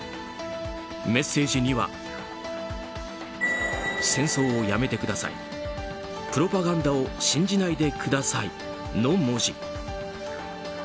メッセージには「戦争をやめてくださいプロパガンダを信じないでください」の文字。